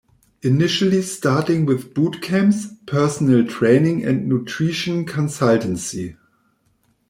Initially starting with boot camps, personal training and nutrition consultancy.